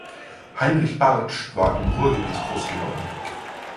Heinrich Bartsch war im Ruhrgebiet groß geworden.